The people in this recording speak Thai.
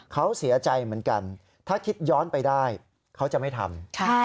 เขาเสียใจเหมือนกันถ้าคิดย้อนไปได้เขาจะไม่ทำ